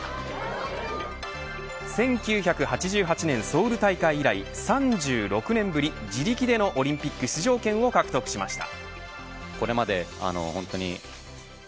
１９８８年ソウル大会以来３６年ぶり自力でのオリンピック出場権を獲得しました。